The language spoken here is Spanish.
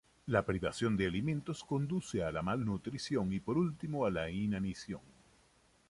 La privación de alimentos conduce a la malnutrición y por último a la inanición.